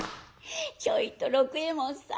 「ちょいと六右衛門さん